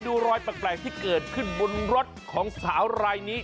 ดูรอยแปลกที่เกิดขึ้นบนรถของสาวรายนี้